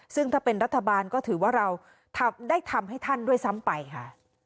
ซึ่งถ้าเป็นรัฐบาลก็ถือว่าเราได้ทำให้ท่านด้วยซ้ำไปค่ะ